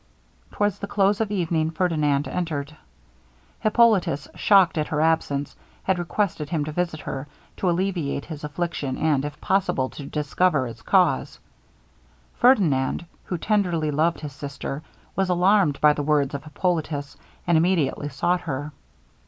Towards the close of evening Ferdinand entered. Hippolitus, shocked at her absence, had requested him to visit her, to alleviate her affliction, and, if possible, to discover its cause. Ferdinand, who tenderly loved his sister, was alarmed by the words of Hippolitus, and immediately sought her.